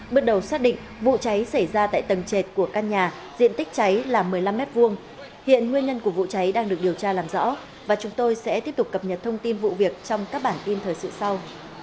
bước đầu xác định vụ cháy xảy ra tại tầng trệt của căn nhà diện tích cháy là một mươi năm m hai hiện nguyên nhân của vụ cháy đang được điều tra làm rõ và chúng tôi sẽ tiếp tục cập nhật thông tin vụ việc trong các bản tin thời sự sau